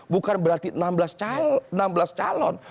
bukan berarti enam belas calon